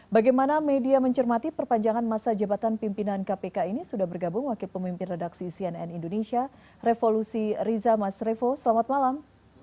bagaimana media mencermati perpanjangan masa jabatan pimpinan kpk ini sudah bergabung wakil pemimpin redaksi cnn indonesia revolusi riza mas revo selamat malam